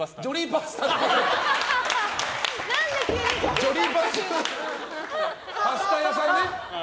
パスタ屋さんね。